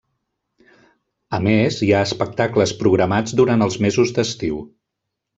A més, hi ha espectacles programats durant els mesos d'estiu.